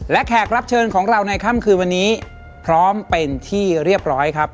และแขกรับเชิญของเราในค่ำคืนวันนี้พร้อมเป็นที่เรียบร้อยครับ